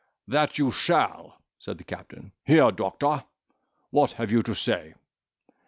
"That you shall," said the captain; "here, doctor, what have you to say?"